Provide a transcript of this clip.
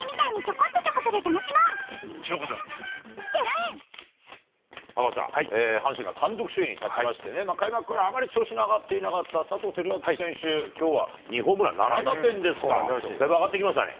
「エイト・フォーアロマスイッチ」新発売赤星さん、阪神が単独首位に立ちましてね、開幕からあまり調子の上がっていなかった佐藤輝明選手、きょうは２ホームラン、７打点ですから、だいぶ上がってきましたね。